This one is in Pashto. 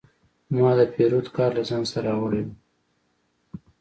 ما د پیرود کارت له ځان سره راوړی و.